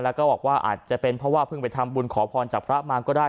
แล้วก็บอกว่าอาจจะเป็นเพราะว่าเพิ่งไปทำบุญขอพรจากพระมาก็ได้